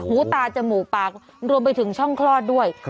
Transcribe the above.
หูตาจมูกปากรวมไปถึงช่องคลอดด้วย